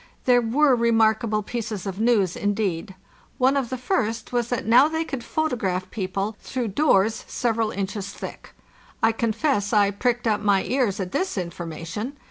There were remarkable pieces of news indeed. One of the first was that now they could photograph people through doors several inches thick. I confess I pricked up my ears at this information.